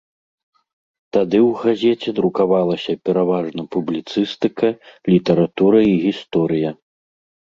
Тады ў газеце друкавалася пераважна публіцыстыка, літаратура і гісторыя.